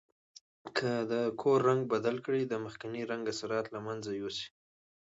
که د کور رنګ بدل کړئ د مخکني رنګ اثرات له منځه یوسئ.